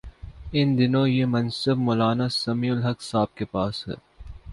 ان دنوں یہ منصب مو لانا سمیع الحق صاحب کے پاس ہے۔